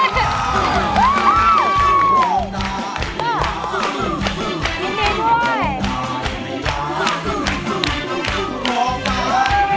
ยินดีด้วย